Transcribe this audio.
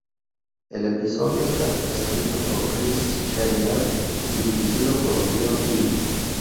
El episodio está escrito por Chris Sheridan y dirigido por Glenn Hill.